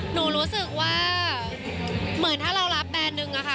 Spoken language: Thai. หนูรู้สึกว่าเหมือนถ้าเรารับแบรนดนึงอะค่ะ